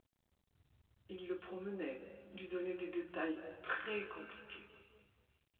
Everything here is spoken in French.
Il le promenait, lui donnait des détails très-compliqués.